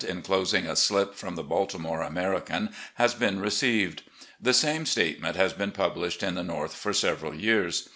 inclosing a slip from the Baltimore American, has been received. The same statement has been published at the North for several years.